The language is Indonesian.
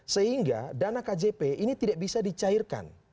sehingga dana kjp ini tidak bisa dicairkan